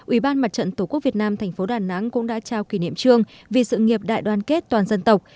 ủy ban mặt trận tổ quốc việt nam thành phố đà nẵng cũng đã trao kỷ niệm trương vì sự nghiệp đại đoàn kết toàn dân tộc